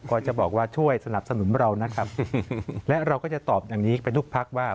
ก็จะบอกว่าช่วยสนับสนุนเรานะครับและเราก็จะตอบอย่างนี้ไปทุกพักว่า